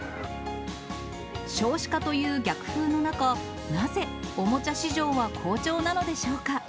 少子化という逆風の中、なぜ、おもちゃ市場は好調なのでしょうか。